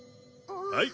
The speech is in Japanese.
はい。